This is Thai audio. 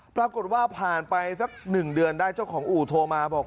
ปรากฏว่าผ่านไปสัก๑เดือนได้เจ้าของอู่โทรมาบอก